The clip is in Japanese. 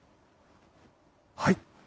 はい！